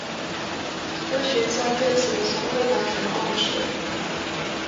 科学家对此从未达成共识。